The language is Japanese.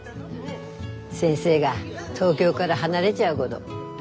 先生が東京がら離れちゃうごど。